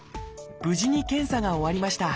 無事に検査が終わりました。